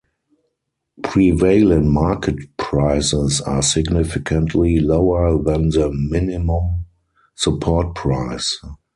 Prevailing market prices are significantly lower than the Minimum Support Price.